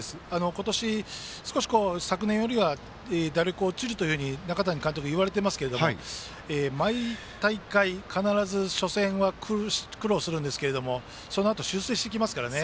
今年、昨年よりは打力が落ちると西谷監督は言われていますが毎大会、必ず初戦は苦労するんですがそのあと、修正してきますからね。